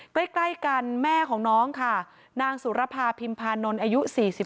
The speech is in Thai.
ใกล้กันแม่ของน้องค่ะนางสุรภาพิมพานนท์อายุ๔๒